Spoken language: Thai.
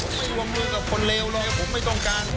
ผมไม่วงมือกับคนเลวเลยผมไม่ต้องการ